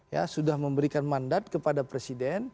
ya sudah memberikan mandat kepada presiden